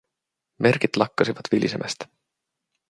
Merkit lakkasivat vilisemästä.